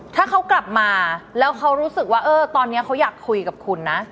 ถ้าเขากลับมาแล้วเขารู้สึกว่าเออตอนนี้เขาอยากคุยกับคุณนะ